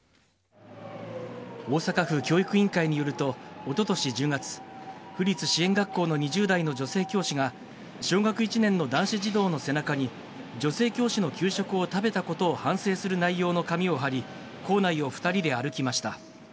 大阪府教育委員会によると、おととし１０月、府立支援学校の２０代の女性教師が、小学１年の男子児童の背中に、女性教師の給食を食べたことを反省する内容の紙を貼り、校内を２人で歩きました。